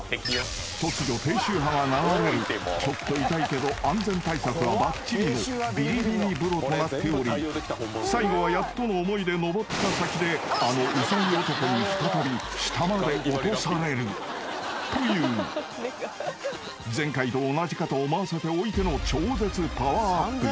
［突如低周波が流れるちょっと痛いけど安全対策はばっちりのビリビリ風呂となっており最後はやっとの思いで上った先であのウサギ男に再び下まで落とされるという前回と同じかと思わせておいての超絶パワーアップ］